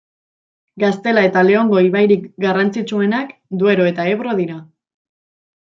Gaztela eta Leongo ibairik garrantzitsuenak Duero eta Ebro dira.